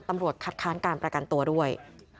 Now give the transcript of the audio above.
ตำรวจคัดค้านการประกันตัวด้วย